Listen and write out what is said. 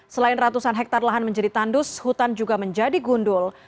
selain ratusan hektare lahan menjadi tandus hutan juga menjadi gundul